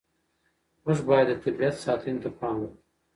موږ باید د طبیعت ساتنې ته پام وکړو.